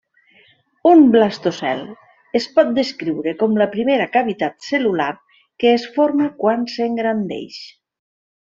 Un blastocel es pot descriure com la primera cavitat cel·lular que es forma quan s'engrandeix.